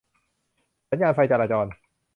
สัญญาณไฟจราจร